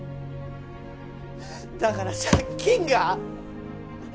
だから借金が！